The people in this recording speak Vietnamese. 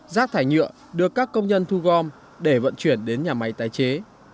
rác thải nhựa được các công nhân thu gom để vận chuyển đến nhà máy tái chế